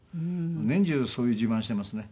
年中そういう自慢してますね。